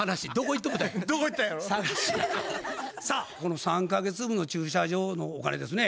さあこの３か月分の駐車場のお金ですね